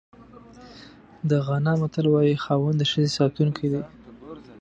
د غانا متل وایي خاوند د ښځې ساتونکی دی.